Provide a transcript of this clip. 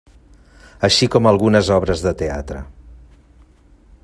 Així com algunes obres de teatre.